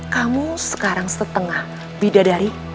kamu sekarang setengah bidadari